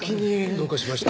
どうかしました？